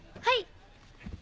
はい！